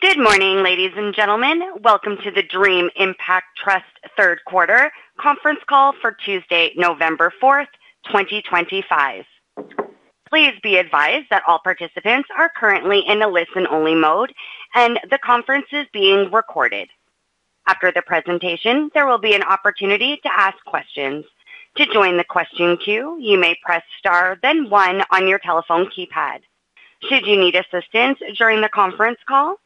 Good morning, ladies and gentlemen. Welcome to the Dream Impact Trust third quarter conference call for Tuesday, November 4th, 2025. Please be advised that all participants are currently in a listen-only mode, and the conference is being recorded. After the presentation, there will be an opportunity to ask questions. To join the question queue, you may press star, then one on your telephone keypad. Should you need assistance during the conference call,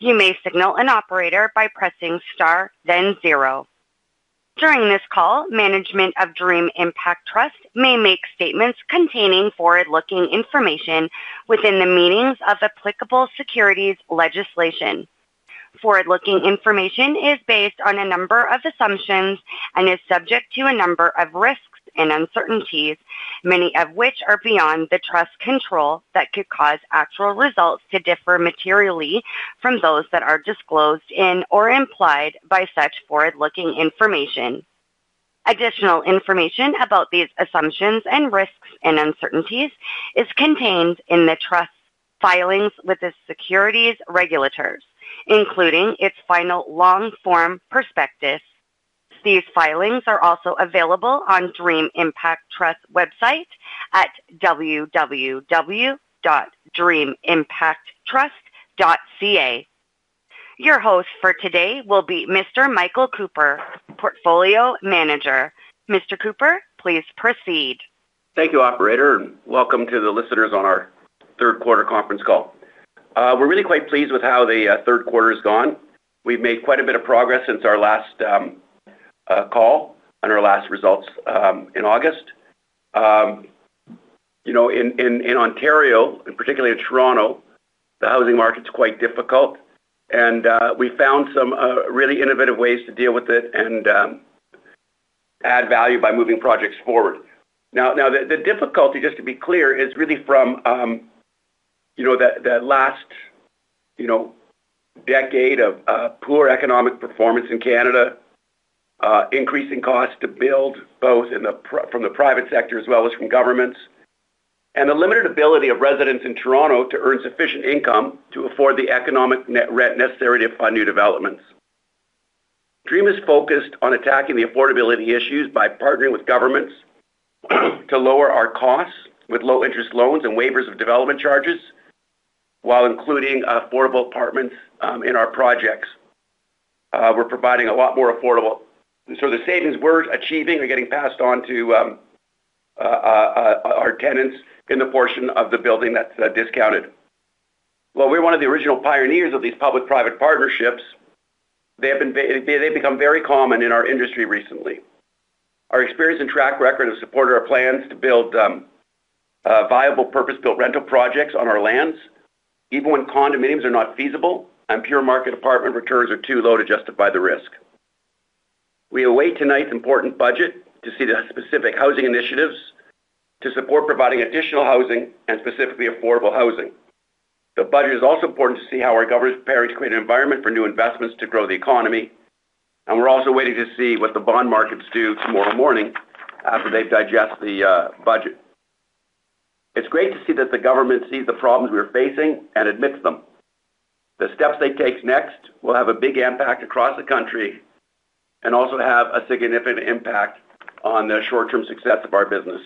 you may signal an operator by pressing star, then zero. During this call, management of Dream Impact Trust may make statements containing forward-looking information within the meanings of applicable securities legislation. Forward-looking information is based on a number of assumptions and is subject to a number of risks and uncertainties, many of which are beyond the Trust's control that could cause actual results to differ materially from those that are disclosed in or implied by such forward-looking information. Additional information about these assumptions and risks and uncertainties is contained in the Trust's filings with its securities regulators, including its final long form prospectus. These filings are also available on Dream Impact Trust's website at www.dreamimpacttrust.ca. Your host for today will be Mr. Michael Cooper, Portfolio Manager. Mr. Cooper, please proceed. Thank you, Operator. Welcome to the listeners on our third quarter conference call. We're really quite pleased with how the third quarter has gone. We've made quite a bit of progress since our last call and our last results in August. In Ontario, and particularly in Toronto, the housing market is quite difficult, and we found some really innovative ways to deal with it and add value by moving projects forward. Now, the difficulty, just to be clear, is really from the last decade of poor economic performance in Canada. Increasing costs to build both from the private sector as well as from governments, and the limited ability of residents in Toronto to earn sufficient income to afford the economic rent necessary to fund new developments. Dream is focused on attacking the affordability issues by partnering with governments to lower our costs with low-interest loans and waivers of development charges while including affordable apartments in our projects. We're providing a lot more affordable, so the savings we're achieving are getting passed on to our tenants in the portion of the building that's discounted. While we're one of the original pioneers of these public-private partnerships, they have become very common in our industry recently. Our experience and track record have supported our plans to build viable purpose-built rental projects on our lands, even when condominiums are not feasible and pure market apartment returns are too low to justify the risk. We await tonight's important budget to see the specific housing initiatives to support providing additional housing and specifically affordable housing. The budget is also important to see how our government prepares to create an environment for new investments to grow the economy, and we're also waiting to see what the bond markets do tomorrow morning after they've digested the budget. It's great to see that the government sees the problems we're facing and admits them. The steps they take next will have a big impact across the country and also have a significant impact on the short-term success of our business.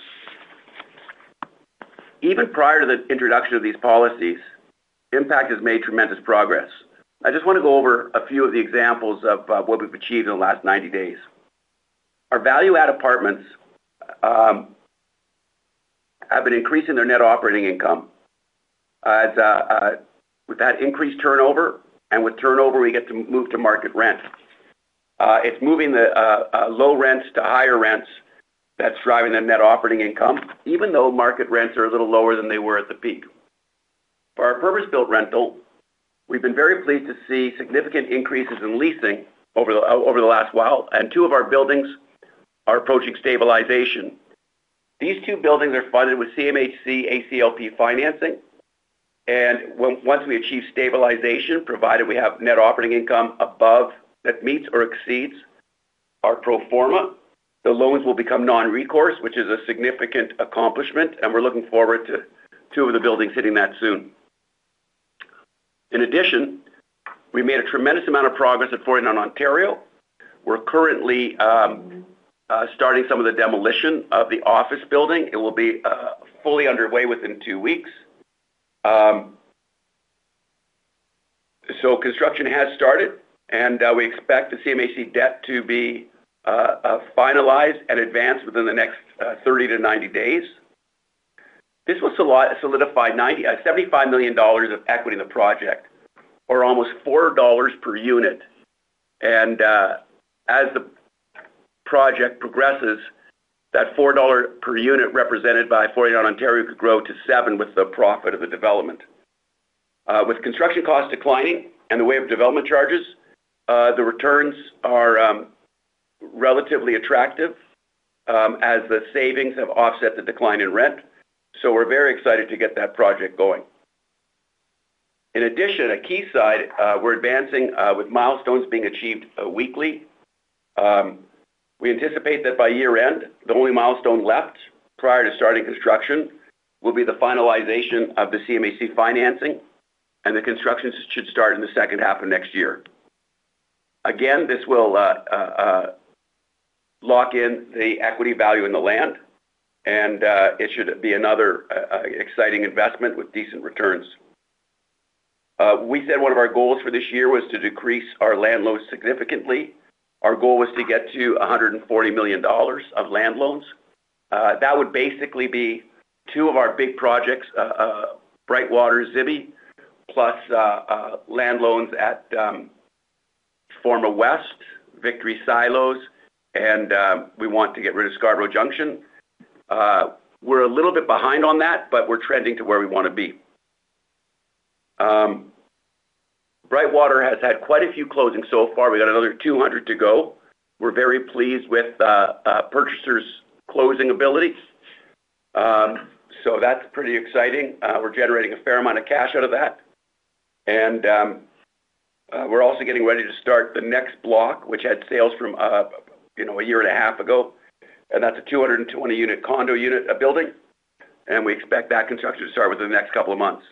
Even prior to the introduction of these policies, Impact has made tremendous progress. I just want to go over a few of the examples of what we've achieved in the last 90 days. Our value-add apartments have been increasing their net operating income. We've had increased turnover, and with turnover, we get to move to market rent. It's moving the low rents to higher rents that's driving their net operating income, even though market rents are a little lower than they were at the peak. For our purpose-built rental, we've been very pleased to see significant increases in leasing over the last while, and two of our buildings are approaching stabilization. These two buildings are funded with CMHC ACLP financing, and once we achieve stabilization, provided we have net operating income that meets or exceeds our pro forma, the loans will become non-recourse, which is a significant accomplishment, and we're looking forward to two of the buildings hitting that soon. In addition, we made a tremendous amount of progress at Fortin on Ontario. We're currently starting some of the demolition of the office building. It will be fully underway within two weeks. So construction has started, and we expect the CMHC debt to be finalized and advanced within the next 30-90 days. This will solidify 75 million dollars of equity in the project, or almost 4 dollars per unit. And as the project progresses, that 4 dollar per unit represented by Fortin on Ontario could grow to 7 with the profit of the development. With construction costs declining and the waiver of development charges, the returns are relatively attractive. As the savings have offset the decline in rent. So we're very excited to get that project going. In addition, at Keyside, we're advancing with milestones being achieved weekly. We anticipate that by year-end, the only milestone left prior to starting construction will be the finalization of the CMHC financing, and the construction should start in the second half of next year. Again, this will lock in the equity value in the land, and it should be another exciting investment with decent returns. We said one of our goals for this year was to decrease our land loans significantly. Our goal was to get to 140 million dollars of land loans. That would basically be two of our big projects, Brightwater, Zibi, plus land loans at Forma West, Victory Silos, and we want to get rid of Scarborough Junction. We're a little bit behind on that, but we're trending to where we want to be. Brightwater has had quite a few closings so far. We got another 200 to go. We're very pleased with purchasers' closing ability. So that's pretty exciting. We're generating a fair amount of cash out of that. And we're also getting ready to start the next block, which had sales from a year and a half ago. And that's a 220-unit condo building. And we expect that construction to start within the next couple of months.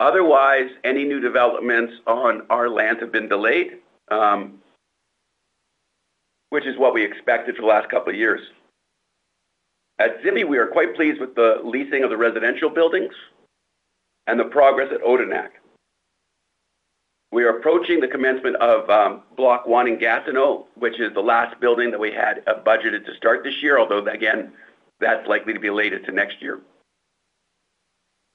Otherwise, any new developments on our land have been delayed. Which is what we expected for the last couple of years. At Zibi, we are quite pleased with the leasing of the residential buildings. And the progress at Odonak. We are approaching the commencement of Block One in Gatineau, which is the last building that we had budgeted to start this year, although, again, that's likely to be later to next year.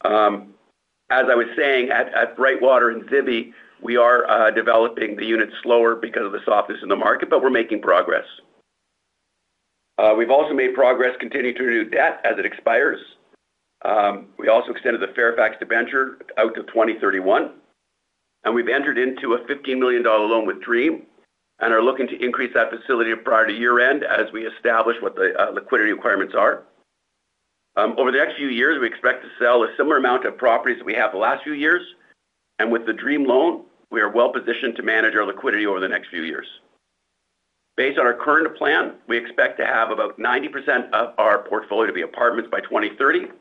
As I was saying, at Brightwater and Zibi, we are developing the units slower because of the softness in the market, but we're making progress. We've also made progress continuing to renew debt as it expires. We also extended the Fairfax Debenture out to 2031. And we've entered into a 15 million dollar loan with Dream and are looking to increase that facility prior to year-end as we establish what the liquidity requirements are. Over the next few years, we expect to sell a similar amount of properties that we have the last few years. And with the Dream loan, we are well-positioned to manage our liquidity over the next few years. Based on our current plan, we expect to have about 90% of our portfolio to be apartments by 20F30.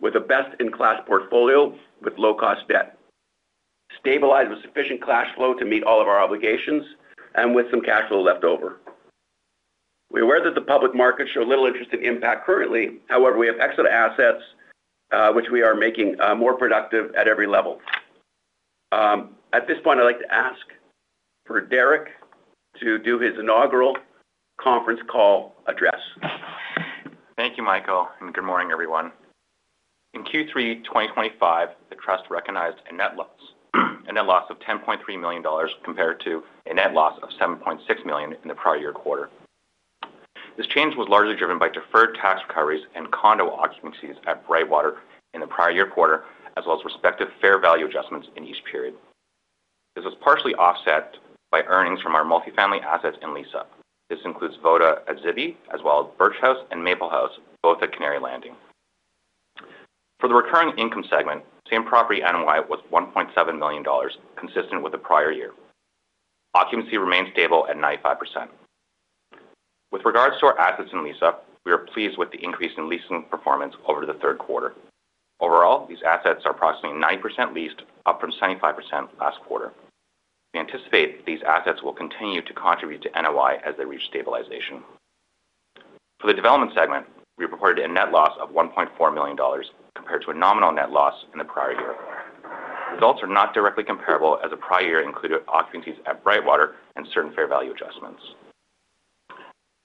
With a best-in-class portfolio with low-cost debt. Stabilized with sufficient cash flow to meet all of our obligations, and with some cash flow left over. We're aware that the public markets show little interest in Impact currently. However, we have excellent assets, which we are making more productive at every level. At this point, I'd like to ask for Derek to do his inaugural conference call address. Thank you, Michael, and good morning, everyone. In Q3 2025, the trust recognized a net loss of 10.3 million dollars compared to a net loss of 7.6 million in the prior-year quarter. This change was largely driven by deferred tax recoveries and condo occupancies at Brightwater in the prior-year quarter, as well as respective fair value adjustments in each period. This was partially offset by earnings from our multifamily assets in Leaside. This includes Voda at Zibi, as well as Birch House and Maple House, both at Canary Landing. For the recurring income segment, same property NOI was 1.7 million dollars, consistent with the prior year. Occupancy remained stable at 95%. With regards to our assets in Leaside, we are pleased with the increase in leasing performance over the third quarter. Overall, these assets are approximately 90% leased, up from 75% last quarter. We anticipate these assets will continue to contribute to NOI as they reach stabilization. For the development segment, we reported a net loss of 1.4 million dollars compared to a nominal net loss in the prior year. Results are not directly comparable as the prior year included occupancies at Brightwater and certain fair value adjustments.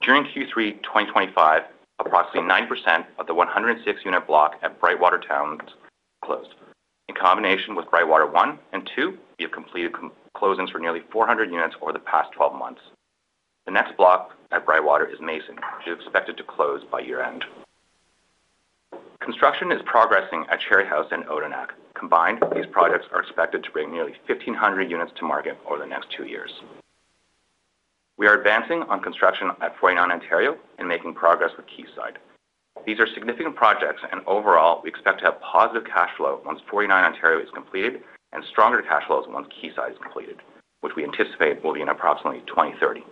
During Q3 2025, approximately 9% of the 106-unit block at Brightwater Town closed. In combination with Brightwater One and Two, we have completed closings for nearly 400 units over the past 12 months. The next block at Brightwater is Mason, which is expected to close by year-end. Construction is progressing at Cherry House and Odonak. Combined, these projects are expected to bring nearly 1,500 units to market over the next two years. We are advancing on construction at Fortin on Ontario and making progress with Keyside. These are significant projects, and overall, we expect to have positive cash flow once Fortin on Ontario is completed and stronger cash flows once Keyside is completed, which we anticipate will be in approximately 2030.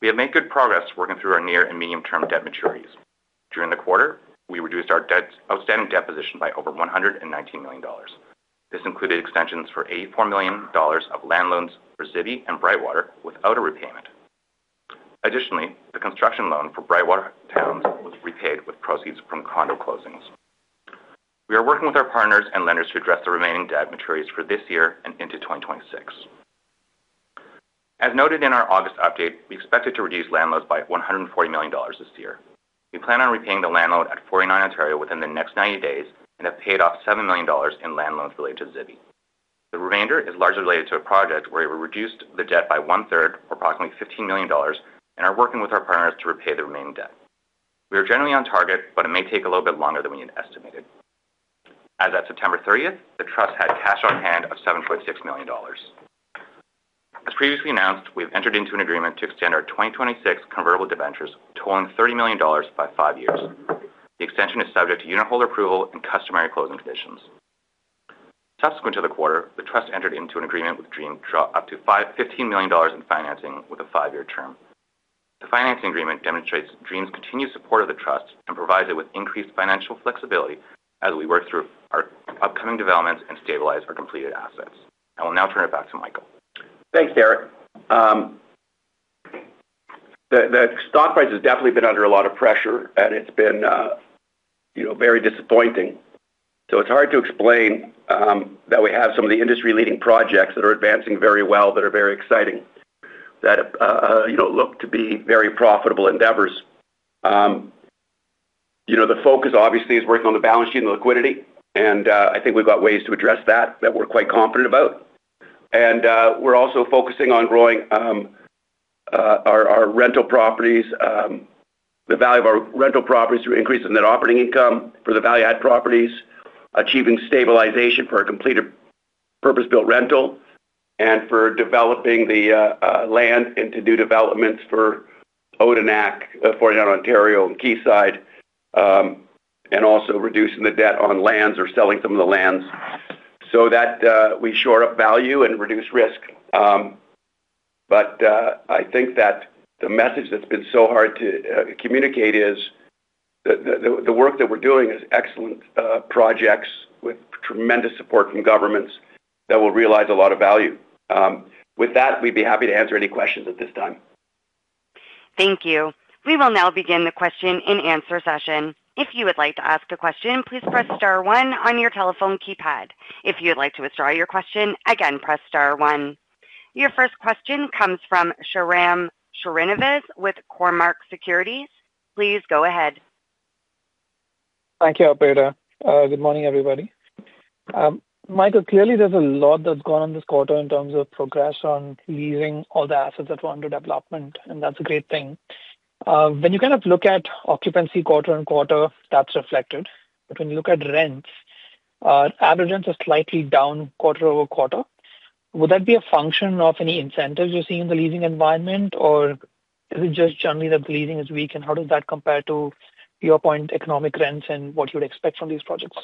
We have made good progress working through our near and medium-term debt maturities. During the quarter, we reduced our outstanding debt position by over 119 million dollars. This included extensions for 84 million dollars of land loans for Zibi and Brightwater without a repayment. Additionally, the construction loan for Brightwater Town was repaid with proceeds from condo closings. We are working with our partners and lenders to address the remaining debt maturities for this year and into 2026. As noted in our August update, we expected to reduce land loans by 140 million dollars this year. We plan on repaying the land loan at Fortin on Ontario within the next 90 days and have paid off 7 million dollars in land loans related to Zibi. The remainder is largely related to a project where we reduced the debt by one-third, approximately 15 million dollars, and are working with our partners to repay the remaining debt. We are generally on target, but it may take a little bit longer than we had estimated. As of September 30th, the trust had cash on hand of 7.6 million dollars. As previously announced, we've entered into an agreement to extend our 2026 convertible debentures, totaling 30 million dollars by five years. The extension is subject to unit holder approval and customary closing conditions. Subsequent to the quarter, the trust entered into an agreement with Dream to draw up to 15 million dollars in financing with a five-year term. The financing agreement demonstrates Dream's continued support of the trust and provides it with increased financial flexibility as we work through our upcoming developments and stabilize our completed assets. I will now turn it back to Michael. Thanks, Derek. The stock price has definitely been under a lot of pressure, and it's been very disappointing. So it's hard to explain that we have some of the industry-leading projects that are advancing very well that are very exciting, that look to be very profitable endeavors. The focus, obviously, is working on the balance sheet and the liquidity, and I think we've got ways to address that that we're quite confident about. We're also focusing on growing our rental properties, the value of our rental properties through increase in net operating income for the value-add properties, achieving stabilization for a completed purpose-built rental, and for developing the land into new developments for Odonak, Fortin on Ontario, and Keyside. We're also reducing the debt on lands or selling some of the lands so that we shore up value and reduce risk. I think that the message that's been so hard to communicate is the work that we're doing is excellent projects with tremendous support from governments that will realize a lot of value. With that, we'd be happy to answer any questions at this time. Thank you. We will now begin the question and answer session. If you would like to ask a question, please press star one on your telephone keypad. If you would like to withdraw your question, again, press star one. Your first question comes from Sharram Shurinovitz with CoreMark Securities. Please go ahead. Thank you, Alberta. Good morning, everybody. Michael, clearly, there's a lot that's gone on this quarter in terms of progress on leasing all the assets that were under development, and that's a great thing. When you kind of look at occupancy quarter on quarter, that's reflected. But when you look at rents, average rents are slightly down quarter-over-quarter. Would that be a function of any incentives you're seeing in the leasing environment, or is it just generally that the leasing is weak? And how does that compare to your point, economic rents, and what you would expect from these projects?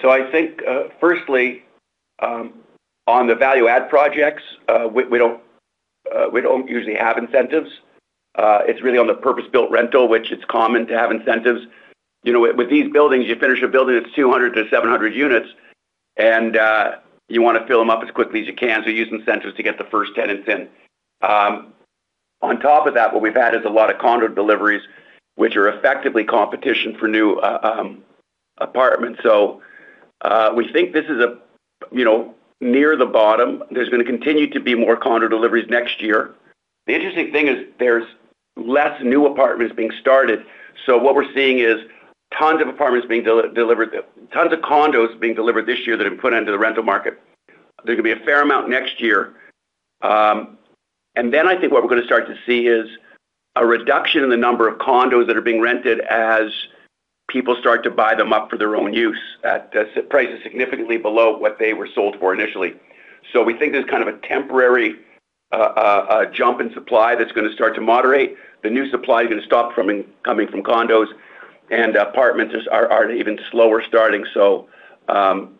So I think, firstly, on the value-add projects, we don't usually have incentives. It's really on the purpose-built rental, which it's common to have incentives. With these buildings, you finish a building that's 200-700 units, and you want to fill them up as quickly as you can, so use incentives to get the first tenants in. On top of that, what we've had is a lot of condo deliveries, which are effectively competition for new apartments, so we think this is near the bottom. There's going to continue to be more condo deliveries next year. The interesting thing is there's less new apartments being started, so what we're seeing is tons of apartments being delivered, tons of condos being delivered this year that have been put into the rental market. There's going to be a fair amount next year, and then I think what we're going to start to see is a reduction in the number of condos that are being rented as people start to buy them up for their own use at prices significantly below what they were sold for initially. So we think there's kind of a temporary jump in supply that's going to start to moderate. The new supply is going to stop coming from condos, and apartments are at an even slower starting, so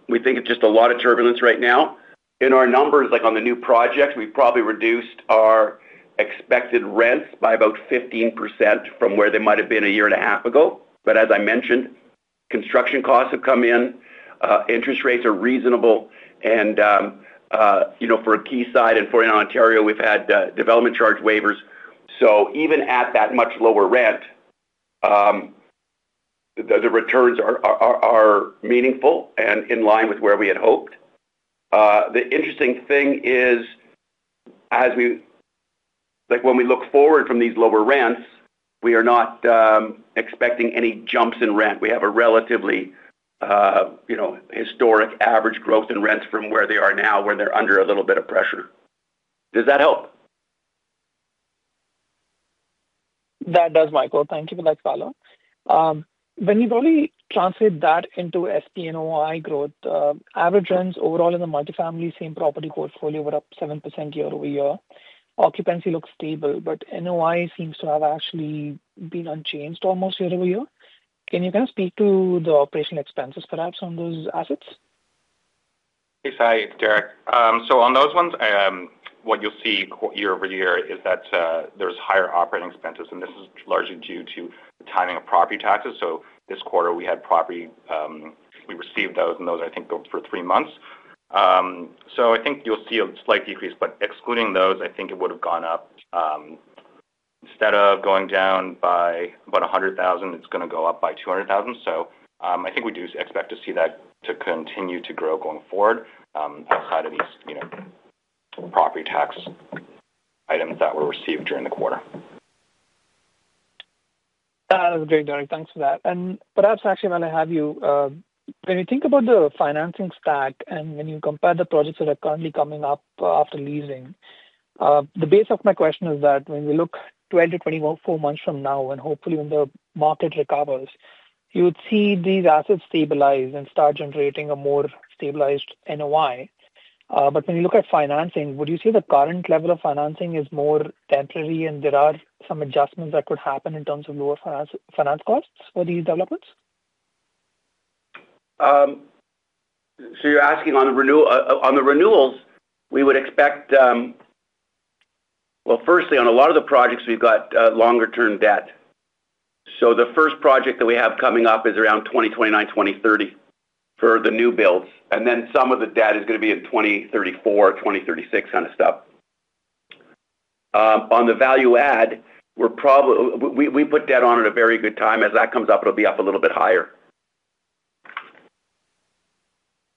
we think it's just a lot of turbulence right now. In our numbers, like on the new projects, we've probably reduced our expected rents by about 15% from where they might have been a year and a half ago. But as I mentioned, construction costs have come in. Interest rates are reasonable, and for Keyside and Fortin on Ontario, we've had development charge waivers, so even at that much lower rent, the returns are meaningful and in line with where we had hoped. The interesting thing is, when we look forward from these lower rents, we are not expecting any jumps in rent. We have a relatively historic average growth in rents from where they are now, where they're under a little bit of pressure. Does that help? That does, Michael. Thank you for that, [Carlo]. When you probably translate that into same-property NOI growth, average rents overall in the multifamily same property portfolio were up 7% year-over-year. Occupancy looks stable, but NOI seems to have actually been unchanged almost year-over-year. Can you kind of speak to the operational expenses, perhaps, on those assets? Hi, Derek. So on those ones, what you'll see year-over-year is that there's higher operating expenses, and this is largely due to the timing of property taxes. So this quarter, we had property taxes. We received those, and those, I think, were for three months. So I think you'll see a slight decrease, but excluding those, I think it would have gone up. Instead of going down by about 100,000, it's going to go up by 200,000. So I think we do expect to see that to continue to grow going forward outside of these property tax items that were received during the quarter. That was great, Derek. Thanks for that. And perhaps, actually, I want to have you. When you think about the financing stack and when you compare the projects that are currently coming up after leasing. The base of my question is that when we look 12-24 months from now, and hopefully when the market recovers, you would see these assets stabilize and start generating a more stabilized NOI. But when you look at financing, would you say the current level of financing is more temporary, and there are some adjustments that could happen in terms of lower finance costs for these developments? So you're asking on the renewals, we would expect. Well, firstly, on a lot of the projects, we've got longer-term debt. So the first project that we have coming up is around 2029, 2030 for the new builds. And then some of the debt is going to be in 2034, 2036 kind of stuff. On the value-add, we put debt on at a very good time. As that comes up, it'll be up a little bit higher.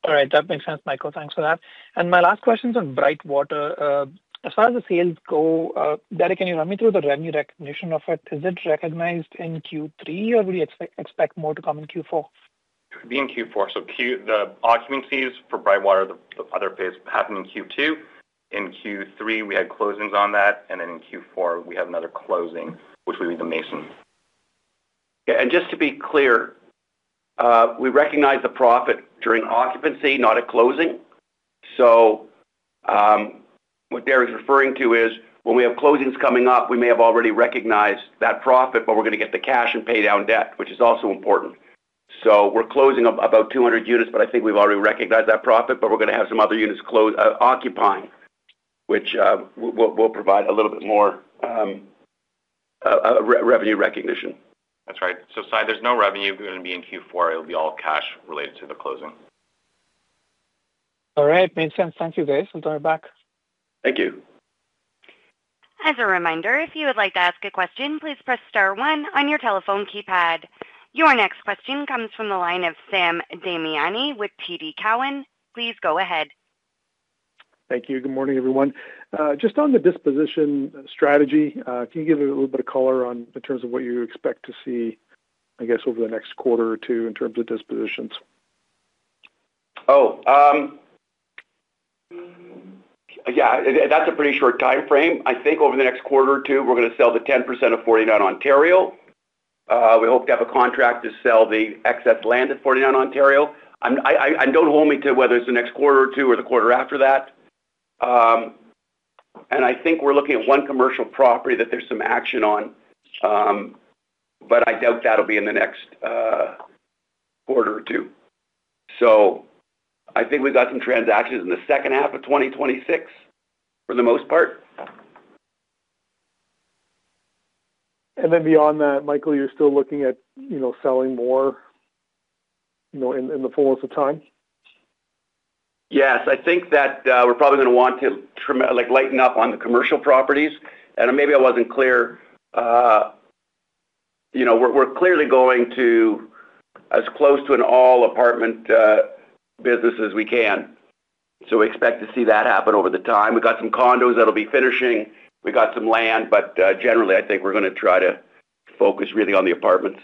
All right. That makes sense, Michael. Thanks for that. And my last question is on Brightwater. As far as the sales go, Derek, can you run me through the revenue recognition of it? Is it recognized in Q3, or would you expect more to come in Q4? It would be in Q4. So the occupancies for Brightwater, the other phase, happened in Q2. In Q3, we had closings on that, and then in Q4, we have another closing, which would be the Mason. Yeah. And just to be clear. We recognize the profit during occupancy, not at closing. So. What Derek's referring to is when we have closings coming up, we may have already recognized that profit, but we're going to get the cash and pay down debt, which is also important. So we're closing about 200 units, but I think we've already recognized that profit, but we're going to have some other units occupying, which will provide a little bit more revenue recognition. That's right. So there's no revenue going to be in Q4. It'll be all cash related to the closing. All right. Makes sense. Thank you, Derek. We'll turn it back. Thank you. As a reminder, if you would like to ask a question, please press star one on your telephone keypad. Your next question comes from the line of Sam Damiani with PD Cowan. Please go ahead. Thank you. Good morning, everyone. Just on the disposition strategy, can you give it a little bit of color in terms of what you expect to see, I guess, over the next quarter or two in terms of dispositions? Oh. Yeah. That's a pretty short time frame. I think over the next quarter or two, we're going to sell the 10% of Fortin on Ontario. We hope to have a contract to sell the excess land at Fortin on Ontario. Don't hold me to whether it's the next quarter or two or the quarter after that. And I think we're looking at one commercial property that there's some action on. But I doubt that'll be in the next quarter or two. So I think we've got some transactions in the second half of 2026 for the most part. Beyond that, Michael, you're still looking at selling more. In the fullness of time? Yes. I think that we're probably going to want to lighten up on the commercial properties, and maybe I wasn't clear. We're clearly going to as close to an all-apartment business as we can, so we expect to see that happen over the time. We've got some condos that'll be finishing. We've got some land, but generally, I think we're going to try to focus really on the apartments.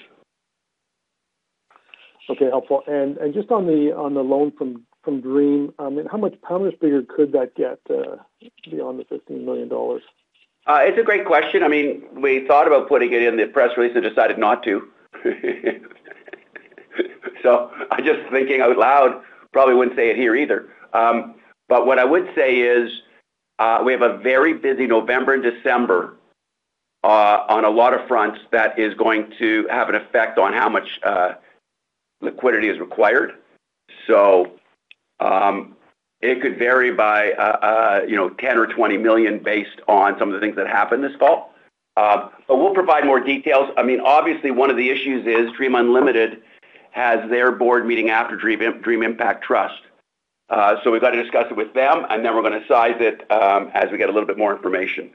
Okay. Helpful. And just on the loan from Dream, how much bigger could that get beyond the 15 million dollars? It's a great question. I mean, we thought about putting it in the press release and decided not to. So I'm just thinking out loud. Probably wouldn't say it here either. But what I would say is we have a very busy November and December on a lot of fronts that is going to have an effect on how much liquidity is required. So it could vary by 10 or 20 million based on some of the things that happened this fall. But we'll provide more details. I mean, obviously, one of the issues is Dream Unlimited has their board meeting after Dream Impact Trust. So we've got to discuss it with them, and then we're going to size it as we get a little bit more information.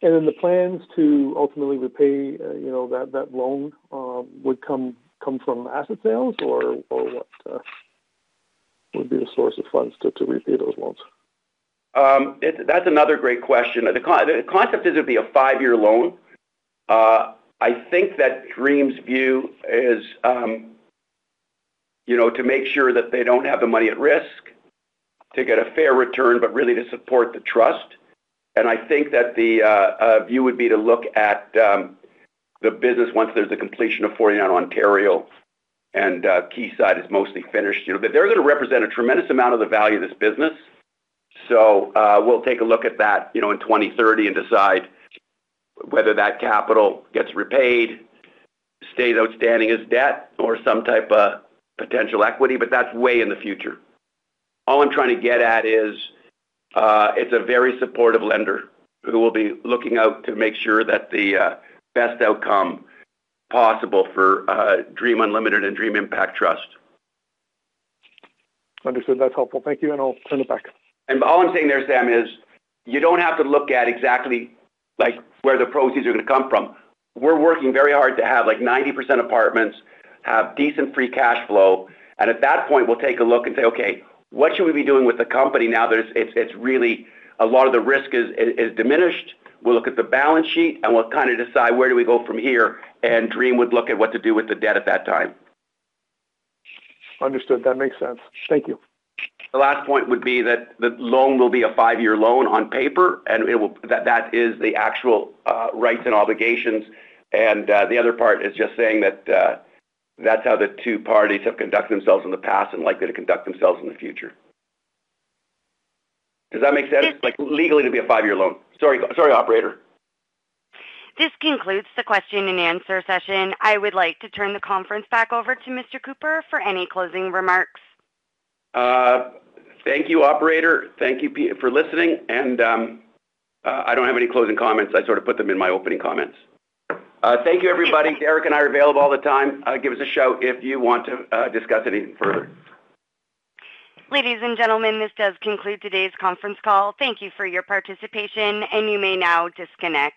And then the plans to ultimately repay that loan would come from asset sales, or what? Would be the source of funds to repay those loans? That's another great question. The concept is it would be a five-year loan. I think that Dream's view is to make sure that they don't have the money at risk to get a fair return, but really to support the trust. And I think that the view would be to look at the business once there's a completion of Fortin on Ontario and Keyside is mostly finished. They're going to represent a tremendous amount of the value of this business. So we'll take a look at that in 2030 and decide whether that capital gets repaid, stays outstanding as debt or some type of potential equity, but that's way in the future. All I'm trying to get at is it's a very supportive lender who will be looking out to make sure that the best outcome possible for Dream Unlimited and Dream Impact Trust. Understood. That's helpful. Thank you, and I'll turn it back. And all I'm saying there, Sam, is you don't have to look at exactly where the proceeds are going to come from. We're working very hard to have like 90% apartments have decent free cash flow. And at that point, we'll take a look and say, "Okay, what should we be doing with the company now that it's really a lot of the risk is diminished?" We'll look at the balance sheet, and we'll kind of decide where do we go from here? And Dream would look at what to do with the debt at that time. Understood. That makes sense. Thank you. The last point would be that the loan will be a five-year loan on paper, and that is the actual rights and obligations. And the other part is just saying that. That's how the two parties have conducted themselves in the past and likely to conduct themselves in the future. Does that make sense? Yes. Legally, it'd be a five-year loan. Sorry, operator. This concludes the question and answer session. I would like to turn the conference back over to Mr. Cooper for any closing remarks. Thank you, operator. Thank you for listening. I don't have any closing comments. I sort of put them in my opening comments. Thank you, everybody. Derek and I are available all the time. Give us a shout if you want to discuss anything further. Ladies and gentlemen, this does conclude today's conference call. Thank you for your participation, and you may now disconnect.